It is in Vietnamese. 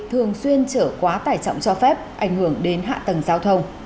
thường xuyên chở quá tải trọng cho phép ảnh hưởng đến hạ tầng giao thông